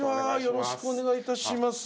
よろしくお願いします